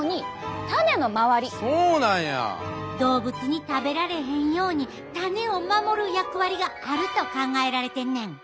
動物に食べられへんように種を守る役割があると考えられてんねん！